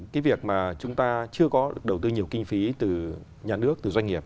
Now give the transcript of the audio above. cái việc mà chúng ta chưa có đầu tư nhiều kinh phí từ nhà nước từ doanh nghiệp